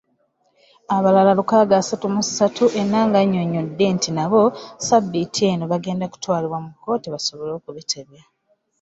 Abalala lukaaga asatu mu ssatu, Enanga annyonnyodde nti nabo Ssabbiiti eno bagenda kutwalibwa mu kkooti basobole okubitebya.